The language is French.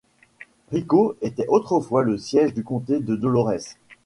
Rico était autrefois le siège du comté de Dolores.